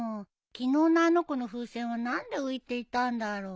昨日のあの子の風船は何で浮いていたんだろう。